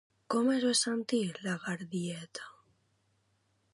Com es va sentir la Garideta?